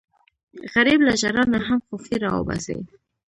غریب له ژړا نه هم خوښي راوباسي